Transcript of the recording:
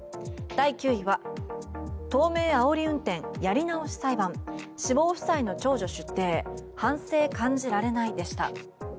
第９位は東名あおり運転やり直し裁判死亡夫妻の長女出廷反省感じられないでした。